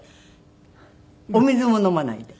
お水も飲まないで。